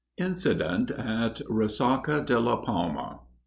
INCIDENT AT RESACA DE LA PALMA.